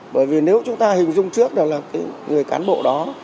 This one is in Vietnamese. bởi vì nếu chúng ta hình dung trước là cái người cán bộ đó